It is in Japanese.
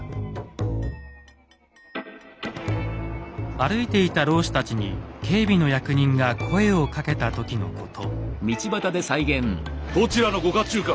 歩いていた浪士たちに警備の役人が声をかけた時のこと。